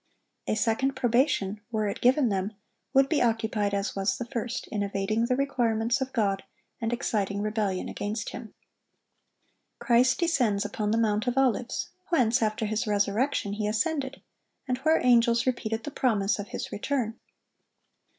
A second probation, were it given them, would be occupied as was the first, in evading the requirements of God and exciting rebellion against Him. Christ descends upon the Mount of Olives, whence, after His resurrection, He ascended, and where angels repeated the promise of His return.